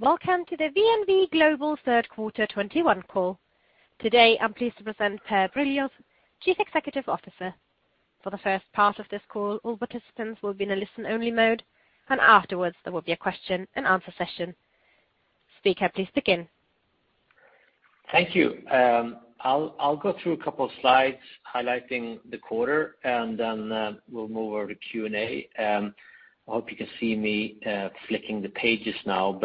Welcome to the VNV Global third quarter 2021 call. Today, I'm pleased to present Per Brilioth, Chief Executive Officer. For the first part of this call, all participants will be in a listen-only mode. Afterwards, there will be a question and answer session. Speaker, please begin. Thank you. I'll go through a couple of slides highlighting the quarter, and then we'll move over to Q&A. I hope you can see me flicking the pages now.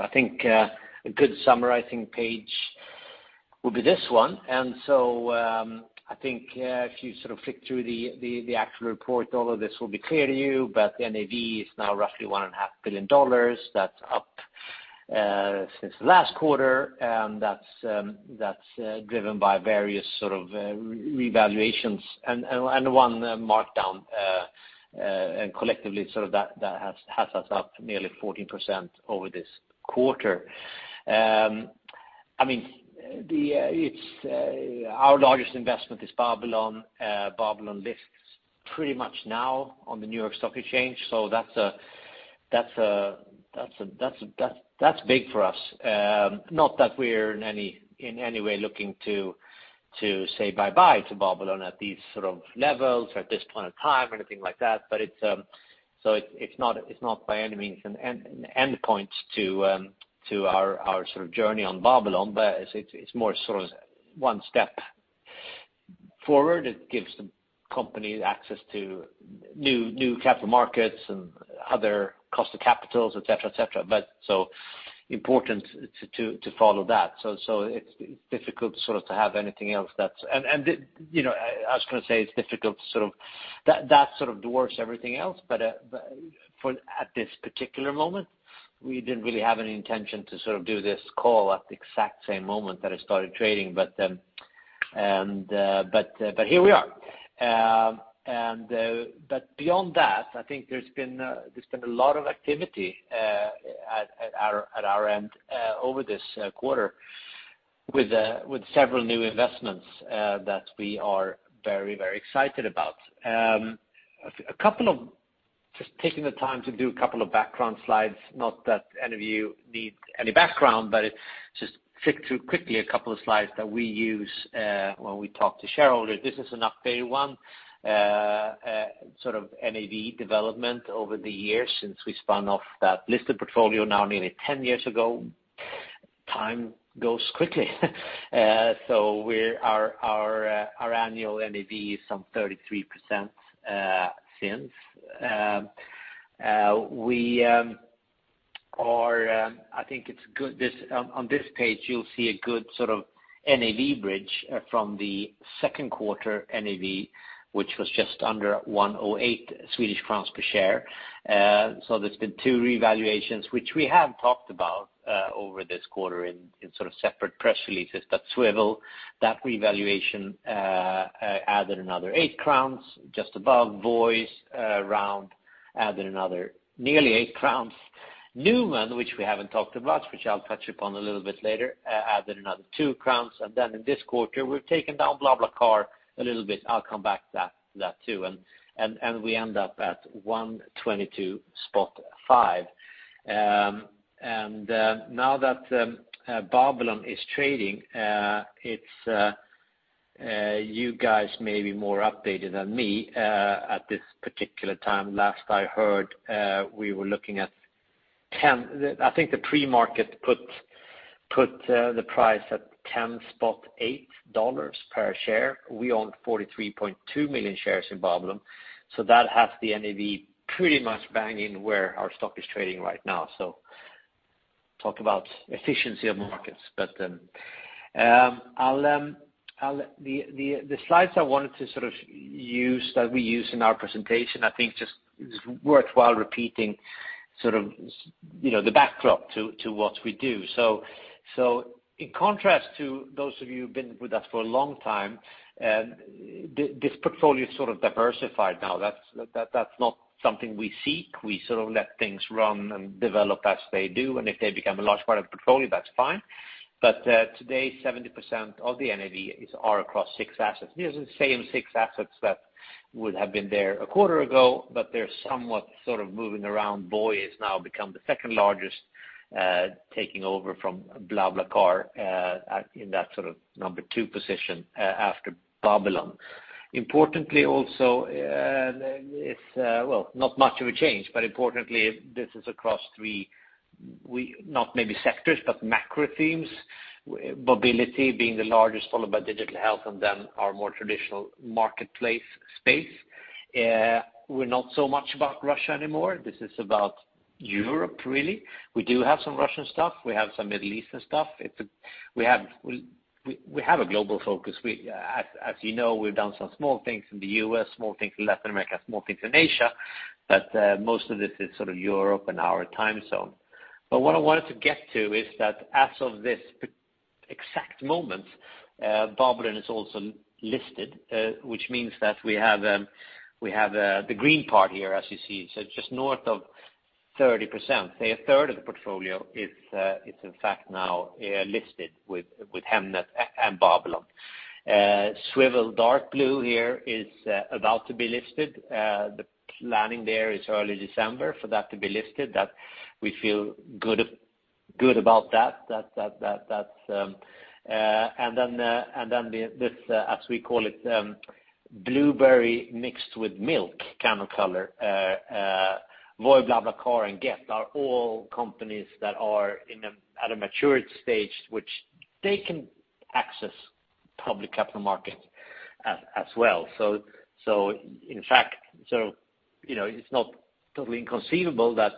I think a good summarizing page will be this one. I think if you flick through the actual report, all of this will be clear to you. The NAV is now roughly $1.5 billion. That's up since the last quarter, and that's driven by various sort of revaluations and one markdown, and collectively, that has us up nearly 14% over this quarter. Our largest investment is Babylon. Babylon lists pretty much now on the New York Stock Exchange, so that's big for us. Not that we're in any way looking to say bye-bye to Babylon at these sort of levels or at this point in time or anything like that. It's not by any means an endpoint to our journey on Babylon, but it's more one step forward. It gives the company access to new capital markets and other cost of capitals, et cetera. Important to follow that. It's difficult to have anything else that sort of dwarfs everything else, but at this particular moment, we didn't really have any intention to do this call at the exact same moment that it started trading, but here we are. Beyond that, I think there's been a lot of activity at our end over this quarter with several new investments that we are very excited about. Just taking the time to do a couple of background slides, not that any of you need any background, but just flick through quickly a couple of slides that we use when we talk to shareholders. This is an updated one, sort of NAV development over the years since we spun off that listed portfolio now nearly 10 years ago. Time goes quickly. Our annual NAV is some 33% since. On this page, you'll see a good sort of NAV bridge from the second quarter NAV, which was just under 108 Swedish crowns per share. There's been two revaluations, which we have talked about over this quarter in separate press releases. Swvl, that revaluation added another 8 crowns just above. Voi's round added another nearly 8 crowns. Numan, which we haven't talked about, which I'll touch upon a little bit later, added another 2 crowns. In this quarter, we've taken down BlaBlaCar a little bit. I'll come back to that too. We end up at 122.5. Now that Babylon is trading, you guys may be more updated than me at this particular time. Last I heard, we were looking at $10. I think the pre-market put the price at $10.8 per share. We own 43.2 million shares in Babylon, so that has the VNV pretty much banging where our stock is trading right now. Talk about efficiency of markets. The slides I wanted to use, that we use in our presentation, I think just is worthwhile repeating the backdrop to what we do. In contrast to those of you who've been with us for a long time, this portfolio is sort of diversified now. That's not something we seek. We sort of let things run and develop as they do, and if they become a large part of the portfolio, that's fine. Today, 70% of the VNV is R across six assets. These are the same six assets that would have been there a quarter ago, but they're somewhat sort of moving around. Voi has now become the second largest, taking over from BlaBlaCar in that sort of number two position after Babylon. Importantly also, not much of a change, importantly, this is across three, not maybe sectors, but macro themes. Mobility being the largest, followed by digital health, then our more traditional marketplace space. We're not so much about Russia anymore. This is about Europe, really. We do have some Russian stuff. We have some Middle Eastern stuff. We have a global focus. As you know, we've done some small things in the U.S, small things in Latin America, small things in Asia, but most of this is Europe and our time zone. What I wanted to get to is that as of this exact moment, Babylon is also listed, which means that we have the green part here, as you see. Just north of 30%, say a 1/3 of the portfolio is in fact now listed with Hemnet and Babylon. Swvl dark blue here is about to be listed. The planning there is early December for that to be listed. We feel good about that. Then this, as we call it, blueberry mixed with milk kind of color, Voi, BlaBlaCar and Gett are all companies that are at a matured stage, which they can access public capital markets as well. It's not totally inconceivable that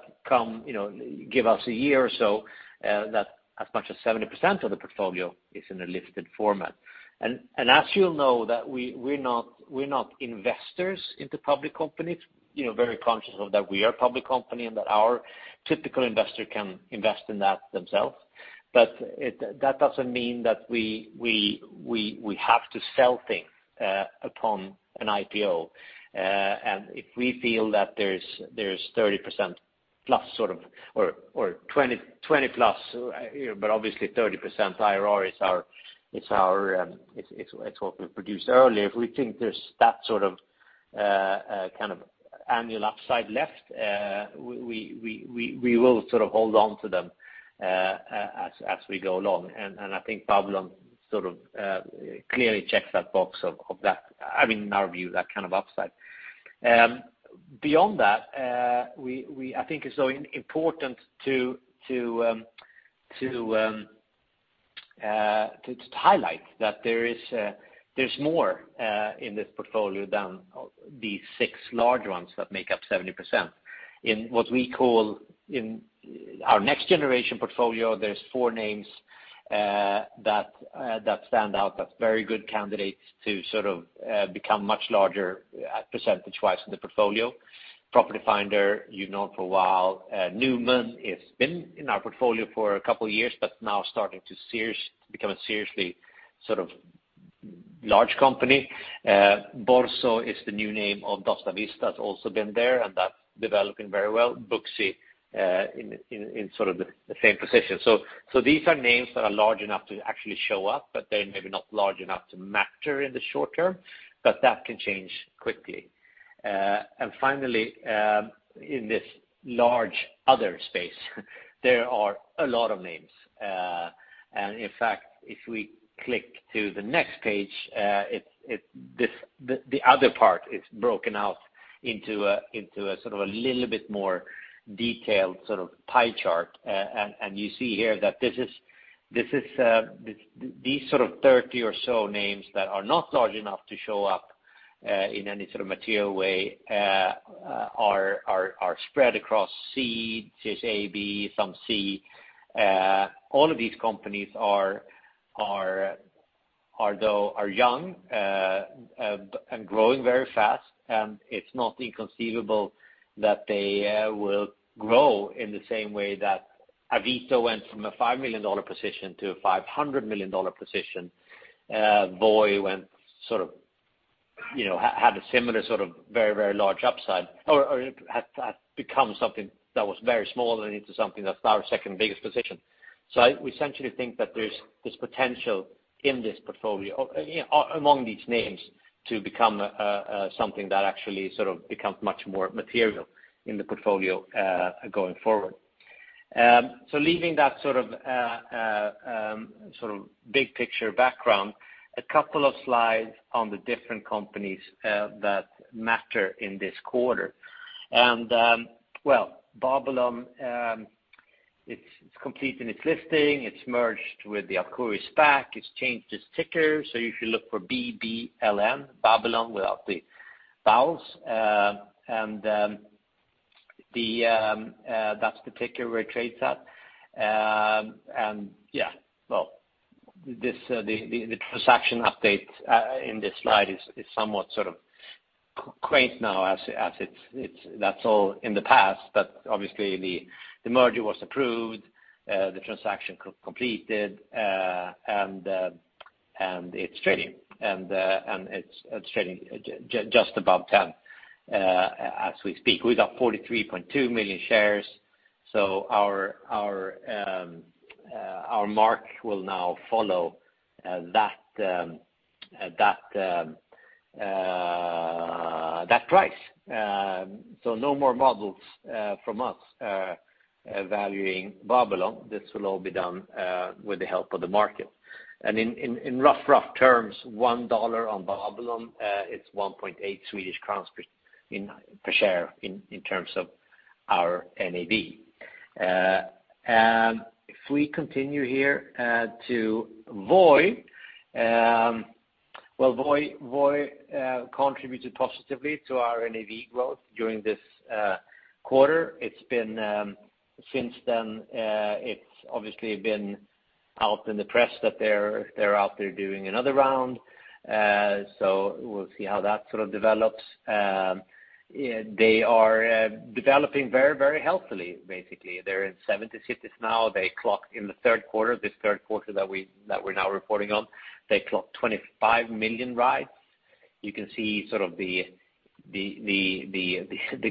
give us a year or so, that as much as 70% of the portfolio is in a listed format. As you'll know, that we're not investors into public companies. Very conscious of that we are a public company and that our typical investor can invest in that themselves. That doesn't mean that we have to sell things upon an IPO. If we feel that there's 30%+ sort of, or 20%+, but obviously 30% IRR, it's what we produced earlier. If we think there's that sort of annual upside left, we will sort of hold onto them as we go along. I think Babylon sort of clearly checks that box of that, I mean, in our view, that kind of upside. Beyond that, I think it's important to highlight that there's more in this portfolio than these six large ones that make up 70%. In what we call our next generation portfolio, there's four names that stand out as very good candidates to sort of become much larger percentage-wise in the portfolio. Property Finder, you've known for a while. Numan has been in our portfolio for a couple of years, but now starting to become a seriously large company. Busfor is the new name of GillBus, it's also been there, and that's developing very well. Booksy in sort of the same position. These are names that are large enough to actually show up, but they're maybe not large enough to matter in the short term, but that can change quickly. Finally, in this large other space there are a lot of names. In fact, if we click to the next page, the other part is broken out into a little bit more detailed pie chart. You see here that these sort of 30 or so names that are not large enough to show up in any sort of material way are spread across C, there's A, B, some C. All of these companies are young and growing very fast, and it's not inconceivable that they will grow in the same way that Avito went from a SEK 5 million position to a SEK 500 million position. Voi had a similar sort of very large upside or had become something that was very small and into something that's now our second biggest position. We essentially think that there's this potential in this portfolio among these names to become something that actually sort of becomes much more material in the portfolio going forward. Leaving that sort of big picture background, a couple of slides on the different companies that matter in this quarter. Well, Babylon it's completing its listing, it's merged with the Alkuri SPAC, it's changed its ticker, so you should look for BBLM, Babylon without the vowels. That's the ticker where it trades at. Yeah, well, the transaction update in this slide is somewhat sort of quaint now as that's all in the past. Obviously the merger was approved, the transaction completed, and it's trading. It's trading just above 10 as we speak. We got 43.2 million shares. Our mark will now follow that price. No more models from us valuing Babylon. This will all be done with the help of the market. In rough terms, $1 on Babylon, it's 1.8 Swedish crowns per share in terms of our NAV. If we continue here to Voi. Well, Voi contributed positively to our NAV growth during this quarter. Since then, it's obviously been out in the press that they're out there doing another round. We'll see how that sort of develops. They are developing very healthily, basically. They're in 70 cities now. They clocked in the third quarter, this third quarter that we're now reporting on, they clocked 25 million rides. You can see the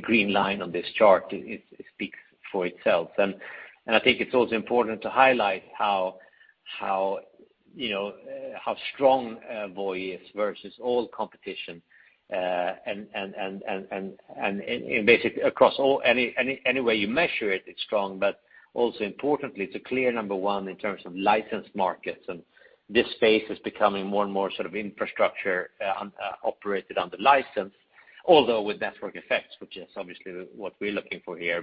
green line on this chart, it speaks for itself. I think it's also important to highlight how strong Voi is versus all competition. Basically any way you measure it's strong, but also importantly, it's a clear number one in terms of licensed markets. This space is becoming more and more infrastructure operated under license, although with network effects, which is obviously what we're looking for here.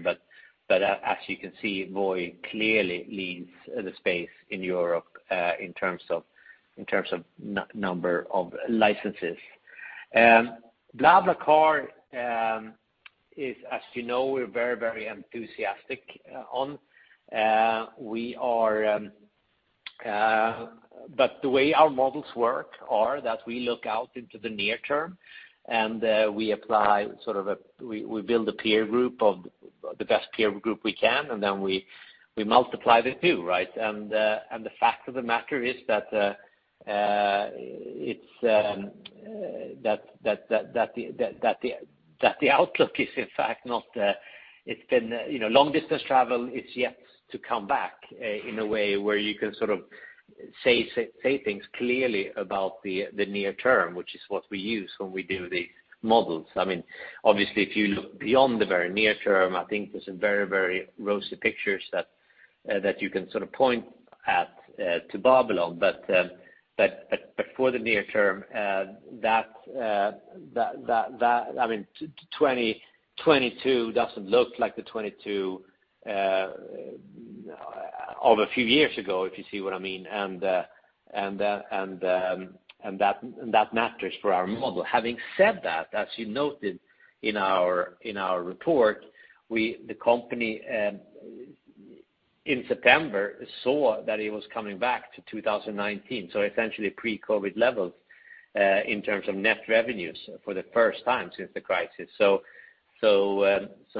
As you can see, Voi clearly leads the space in Europe in terms of number of licenses. BlaBlaCar is, as you know, we're very enthusiastic on. The way our models work are that we look out into the near term and we build the best peer group we can, and then we multiply the two. The fact of the matter is that the outlook is, in fact, not Long distance travel is yet to come back in a way where you can say things clearly about the near term, which is what we use when we do the models. If you look beyond the very near term, I think there's some very rosy pictures that you can point at to Babylon. For the near term, 2022 doesn't look like the 2022 of a few years ago if you see what I mean, and that matters for our model. Having said that, as you noted in our report, the company in September saw that it was coming back to 2019, so essentially pre-COVID levels in terms of net revenues for the first time since the crisis.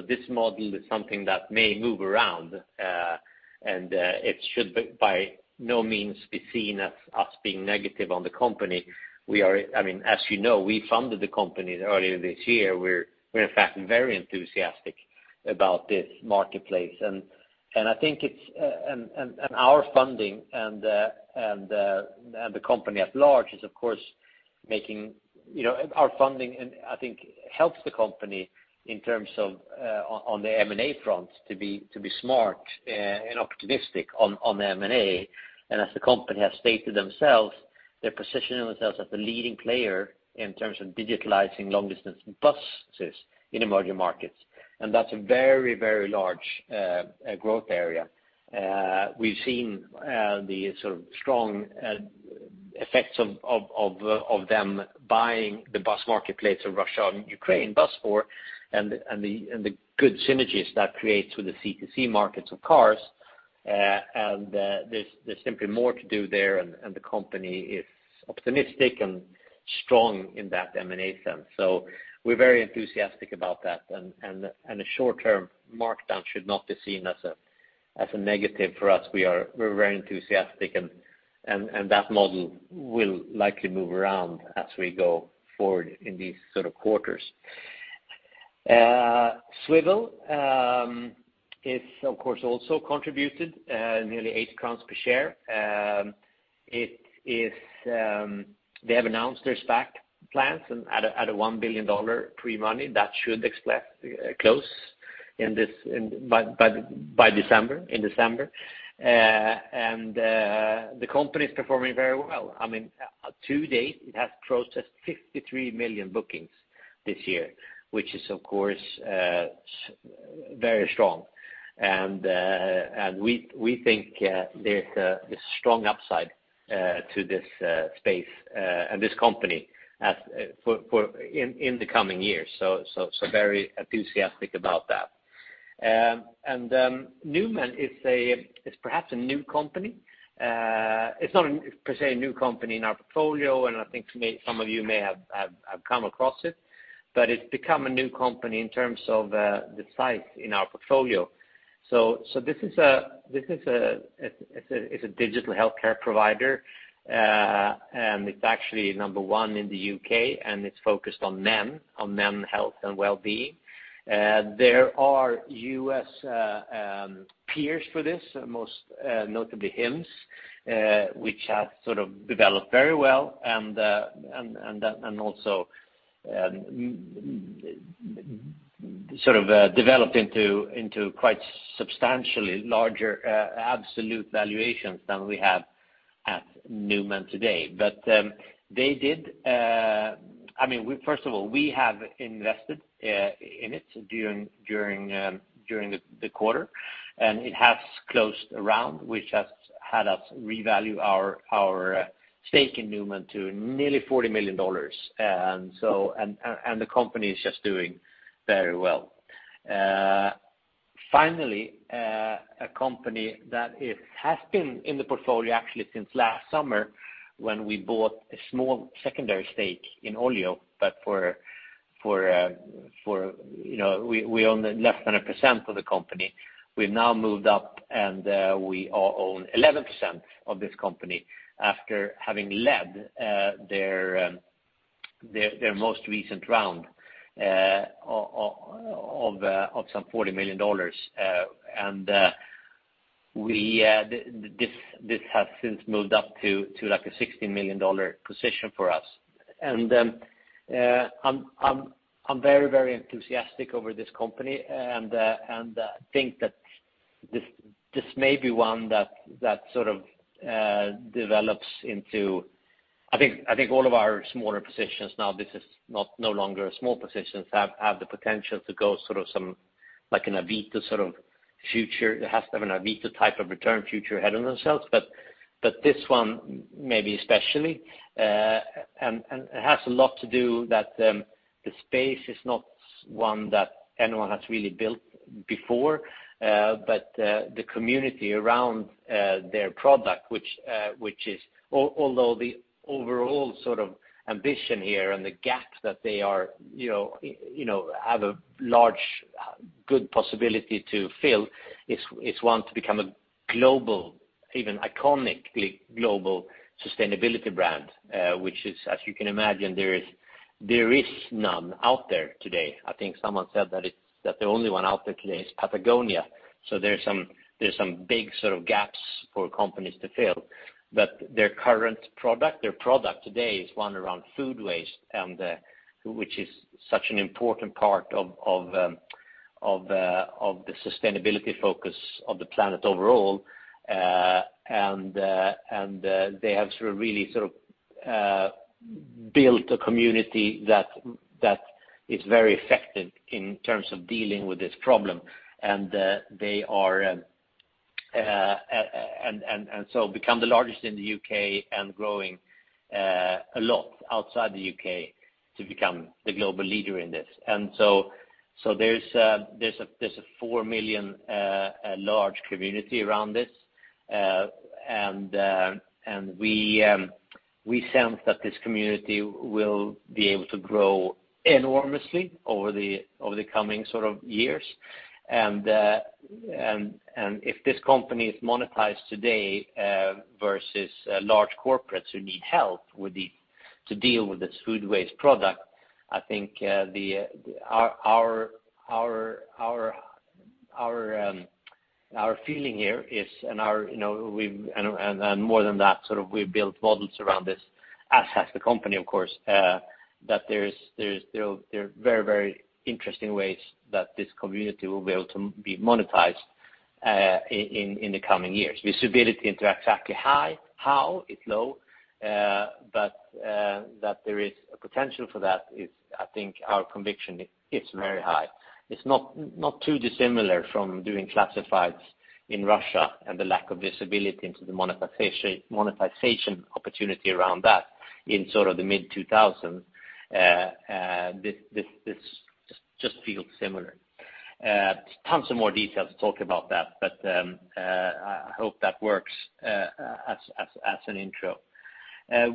This model is something that may move around, and it should by no means be seen as us being negative on the company. As you know, we funded the company earlier this year. We're in fact very enthusiastic about this marketplace. Our funding, I think, helps the company in terms of on the M&A front to be smart and optimistic on M&A. As the company has stated themselves, they're positioning themselves as the leading player in terms of digitalizing long distance buses in emerging markets. That's a very large growth area. We've seen the strong effects of them buying the bus marketplace of Russia and Ukraine, Busfor, and the good synergies that creates with the C2C markets of cars. There's simply more to do there, and the company is optimistic and strong in that M&A sense. We're very enthusiastic about that. The short-term markdown should not be seen as a negative for us. We're very enthusiastic, and that model will likely move around as we go forward in these quarters. Swvl has of course also contributed nearly 8 crowns per share. They have announced their SPAC plans at a $1 billion pre-money that should close in December. The company is performing very well. To-date, it has processed 53 million bookings this year, which is of course very strong. We think there's a strong upside to this space and this company in the coming years. Very enthusiastic about that. Numan is perhaps a new company. It's not per se a new company in our portfolio, and I think some of you may have come across it, but it's become a new company in terms of the size in our portfolio. This is a digital healthcare provider, and it's actually number one in the U.K, and it's focused on men health and wellbeing. There are U.S. peers for this, most notably Hims, which has developed very well and also developed into quite substantially larger absolute valuations than we have at Numan today. First of all, we have invested in it during the quarter, it has closed a round which has had us revalue our stake in Numan to nearly $40 million. The company is just doing very well. Finally, a company that has been in the portfolio actually since last summer when we bought a small secondary stake in Olio. We own less than 1% of the company. We've now moved up and we own 11% of this company after having led their most recent round of some $40 million. This has since moved up to a $16 million position for us. I'm very enthusiastic over this company and think that this may be one that sort of develops into I think all of our smaller positions now, this is no longer a small position, have the potential to have an Avito type of return future ahead of themselves. This one maybe especially, and it has a lot to do that the space is not one that anyone has really built before. The community around their product, although the overall ambition here and the gap that they have a large, good possibility to fill, is one to become a global, even iconically global sustainability brand. Which is, as you can imagine, there is none out there today. I think someone said that the only one out there today is Patagonia. There's some big gaps for companies to fill. Their current product, their product today, is one around food waste which is such an important part of the sustainability focus of the planet overall. They have really built a community that is very effective in terms of dealing with this problem, become the largest in the U.K. and growing a lot outside the U.K. to become the global leader in this. There's a 4 million large community around this. We sense that this community will be able to grow enormously over the coming years. If this company is monetized today versus large corporates who need help to deal with this food waste product, I think our feeling here is, and more than that, we've built models around this, as has the company, of course, that there are very interesting ways that this community will be able to be monetized in the coming years. Visibility into exactly how is low, but that there is a potential for that is, I think our conviction is very high. It's not too dissimilar from doing classifieds in Russia and the lack of visibility into the monetization opportunity around that in the mid-2000s. This just feels similar. Tons of more detail to talk about that, but I hope that works as an intro.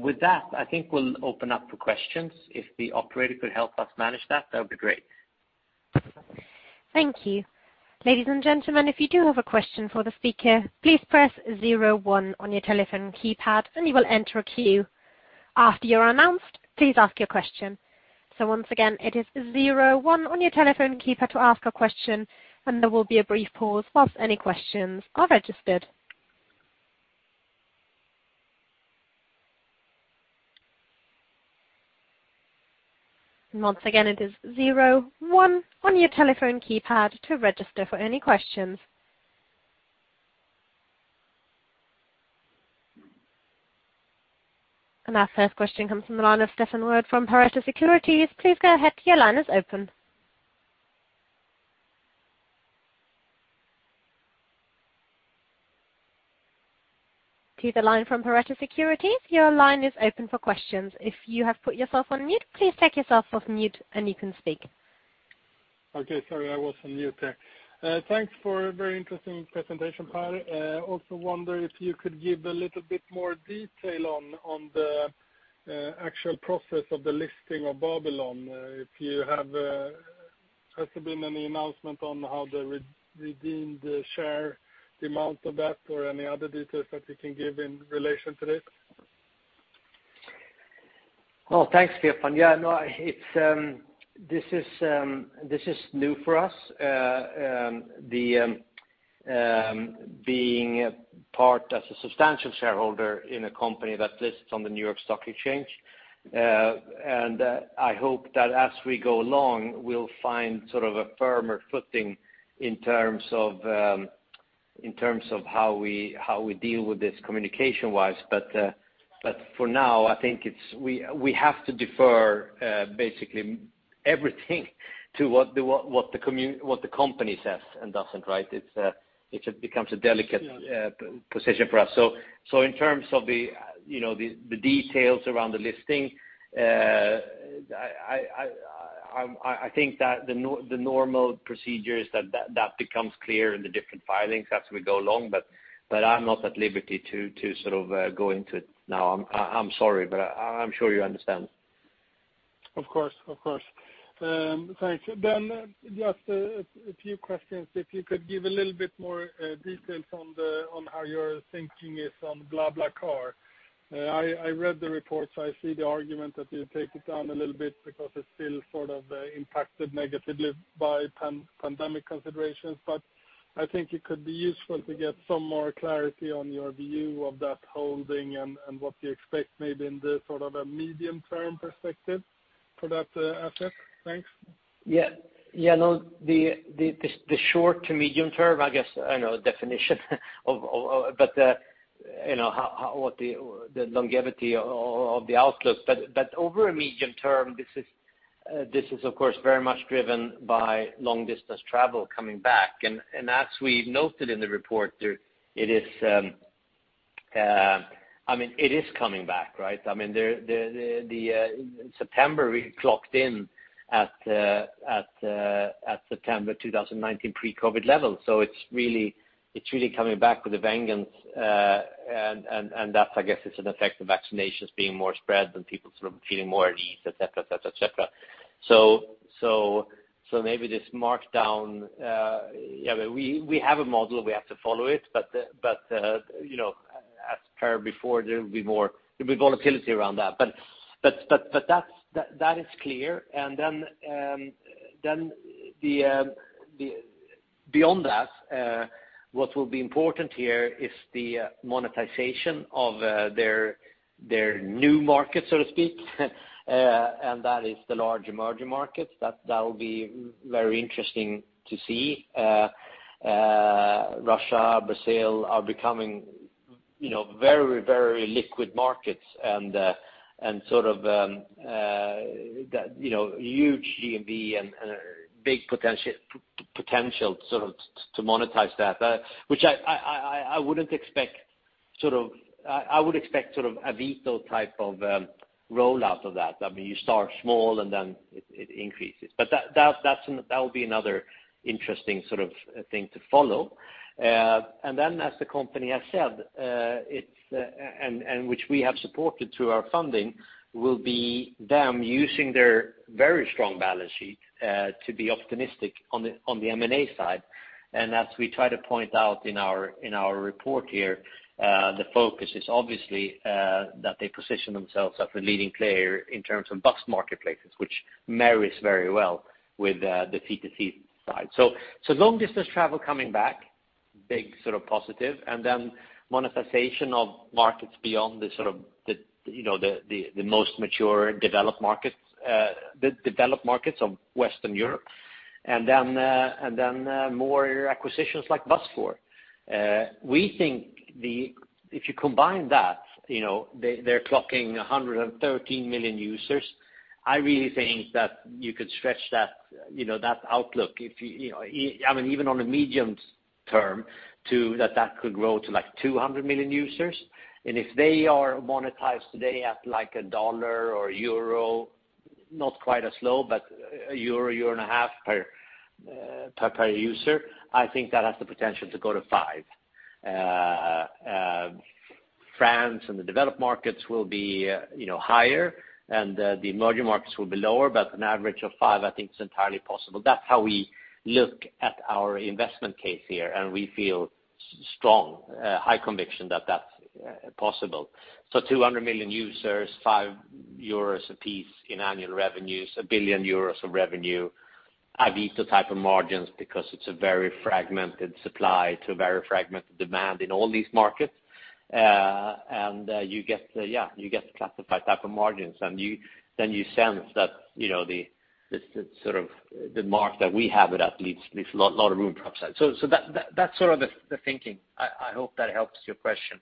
With that, I think we'll open up for questions. If the operator could help us manage that would be great. Thank you. Ladies and gentlemen, if you do have a question for the speaker, please press zero one on your telephone keypad and you will enter a queue. After you are announced, please ask your question. Once again, it is zero one on your telephone keypad to ask a question, and there will be a brief pause whilst any questions are registered. Once again, it is zero one on your telephone keypad to register for any questions. Our first question comes from the line of Stefan Wård from Pareto Securities. Please go ahead. Your line is open. To the line from Pareto Securities, your line is open for questions. If you have put yourself on mute, please take yourself off mute and you can speak. Okay. Sorry, I was on mute there. Thanks for a very interesting presentation, Per. I also wonder if you could give a little bit more detail on the actual process of the listing of Babylon. Has there been any announcement on how they redeemed the share, the amount of that, or any other details that you can give in relation to this? Well, thanks, Stefan. This is new for us. Being part as a substantial shareholder in a company that lists on the New York Stock Exchange. I hope that as we go along, we'll find a firmer footing in terms of how we deal with this communication-wise. For now, I think we have to defer basically everything to what the company says and doesn't, right? It becomes a delicate position for us. In terms of the details around the listing, I think that the normal procedure is that becomes clear in the different filings as we go along, but I'm not at liberty to go into it now. I'm sorry, I'm sure you understand. Of course. Thanks. Just a few questions. If you could give a little bit more details on how your thinking is on BlaBlaCar. I read the reports. I see the argument that you take it down a little bit because it's still impacted negatively by pandemic considerations. I think it could be useful to get some more clarity on your view of that holding and what you expect maybe in the medium term perspective for that asset. Thanks. Yeah. Over a medium term, this is of course very much driven by long-distance travel coming back. As we noted in the report there, it is coming back. September we clocked in at September 2019 pre-COVID levels. It's really coming back with a vengeance. That, I guess, is an effect of vaccinations being more spread and people feeling more at ease, et cetera. Maybe this mark down, we have a model, we have to follow it. As per before, there will be volatility around that. That is clear, beyond that, what will be important here is the monetization of their new market, so to speak. That is the large emerging markets. That will be very interesting to see. Russia, Brazil are becoming very liquid markets and that huge GMV and big potential to monetize that. Which I would expect Avito type of rollout of that. You start small and then it increases. That will be another interesting thing to follow. As the company has said, and which we have supported through our funding, will be them using their very strong balance sheet to be optimistic on the M&A side. As we try to point out in our report here, the focus is obviously that they position themselves as the leading player in terms of bus marketplaces, which marries very well with the C2C side. Long-distance travel coming back, big positive. Monetization of markets beyond the most mature developed markets of Western Europe. More acquisitions like Busfor. We think if you combine that, they're clocking 113 million users. I really think that you could stretch that outlook. Even on a medium term, that could grow to 200 million users. If they are monetized today at a dollar or euro, not quite as low, but a euro and a half per user, I think that has the potential to go to 5. France and the developed markets will be higher, and the emerging markets will be lower, but an average of 5, I think is entirely possible. That's how we look at our investment case here, and we feel strong, high conviction that's possible. 200 million users, 5 euros a piece in annual revenues, 1 billion euros of revenue. Avito type of margins because it's a very fragmented supply to a very fragmented demand in all these markets. You get the classified type of margins. You sense that the mark that we have it at leaves a lot of room perhaps. That's the thinking. I hope that helps your question.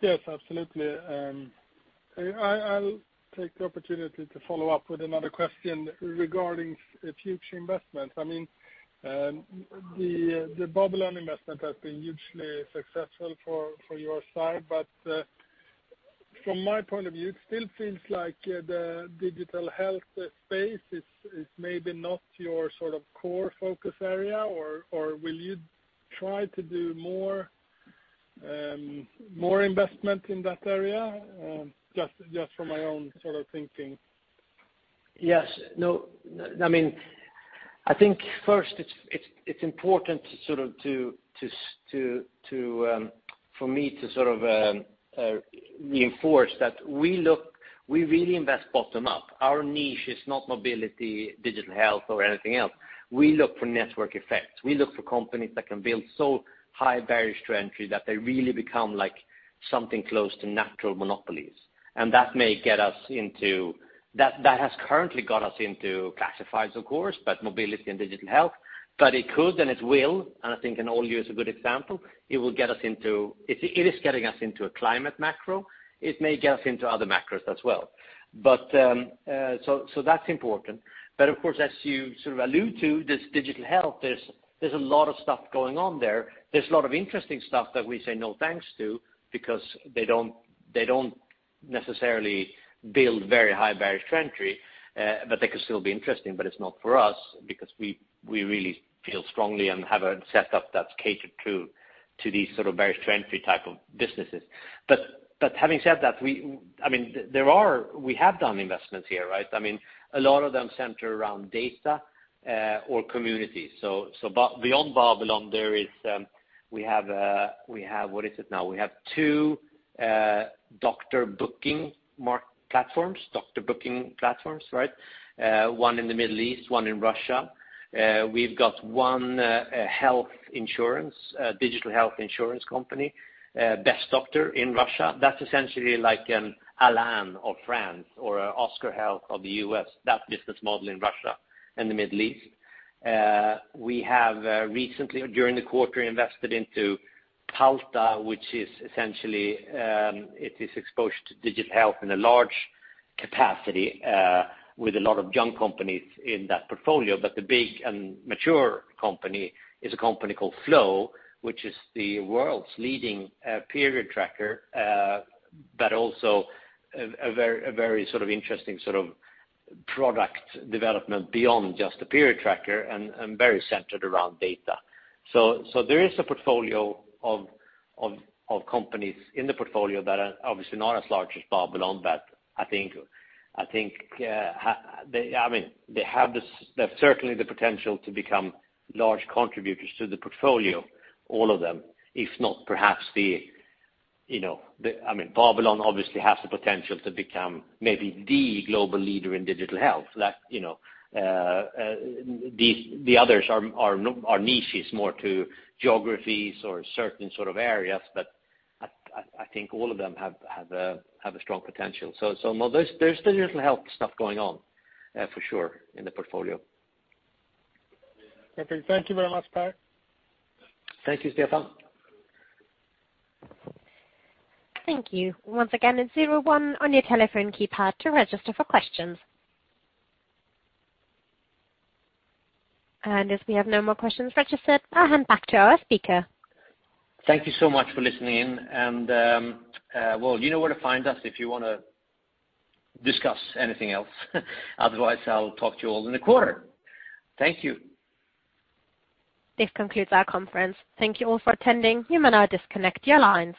Yes, absolutely. I'll take the opportunity to follow up with another question regarding future investments. The Babylon investment has been hugely successful for your side, from my point of view, it still feels like the digital health space is maybe not your core focus area, or will you try to do more investment in that area? Just from my own thinking. Yes. I think first it's important for me to reinforce that we really invest bottom up. Our niche is not mobility, digital health, or anything else. We look for network effects. We look for companies that can build so high barriers to entry that they really become something close to natural monopolies. That has currently got us into classifieds, of course, but mobility and digital health. It could and it will, and I think Olio is a good example. It is getting us into a climate macro. It may get us into other macros as well. That's important. Of course, as you allude to, this digital health, there's a lot of stuff going on there. There's a lot of interesting stuff that we say no thanks to, because they don't necessarily build very high barriers to entry. They could still be interesting, but it's not for us because we really feel strongly and have a setup that's catered to these barriers to entry type of businesses. Having said that, we have done investments here. A lot of them center around data or communities. Beyond Babylon, we have two doctor booking platforms. one in the Middle East, one in Russia. We've got one digital health insurance company, BestDoctor in Russia. That's essentially like an Alan of France or Oscar Health of the U.S. That business model in Russia and the Middle East. We have recently, during the quarter, invested into Palta, which is essentially exposed to digital health in a large capacity with a lot of young companies in that portfolio. The big and mature company is a company called Flo, which is the world's leading period tracker, but also a very interesting sort of product development beyond just a period tracker, and very centered around data. There is a portfolio of companies in the portfolio that are obviously not as large as Babylon, but I think they have certainly the potential to become large contributors to the portfolio, all of them. Babylon obviously has the potential to become maybe the global leader in digital health. The others are niches more to geographies or certain sort of areas, but I think all of them have a strong potential. There's still digital health stuff going on for sure in the portfolio. Okay, thank you very much, Per. Thank you, Stefan. Thank you. Once again, it's zero one on your telephone keypad to register for questions. As we have no more questions registered, I'll hand back to our speaker. Thank you so much for listening, and well, you know where to find us if you want to discuss anything else. Otherwise, I'll talk to you all in a quarter. Thank you. This concludes our conference. Thank you all for attending. You may now disconnect your lines.